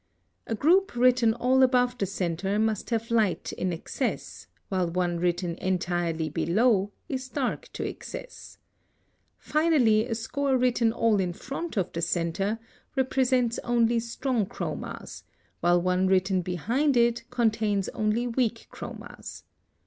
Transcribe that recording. A group written all above the centre must have light in excess, while one written entirely below is dark to excess. Finally, a score written all in front of the centre represents only strong chromas, while one written behind it contains only weak chromas.